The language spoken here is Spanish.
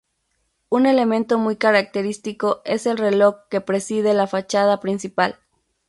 Un elemento muy característico es el reloj que preside la fachada principal.